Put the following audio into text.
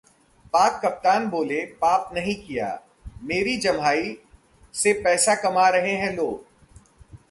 पाक कप्तान बोले- पाप नहीं किया, मेरी जम्हाई से पैसे कमा रहे हैं लोग